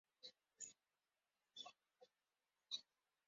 She played a character named Henrietta Perkins.